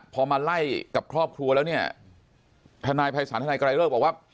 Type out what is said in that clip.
พอมาไล่กับครอบครัวแล้วเนี่ยทนายภัยศาลทนายไกรเลิกบอกว่า